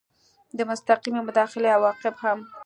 د مستقیې مداخلې عواقب هم